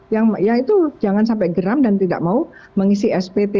yang ya itu jangan sampai geram dan tidak mau mengisi spt